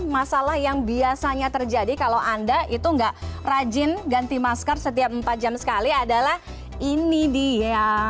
masalah yang biasanya terjadi kalau anda itu nggak rajin ganti masker setiap empat jam sekali adalah ini dia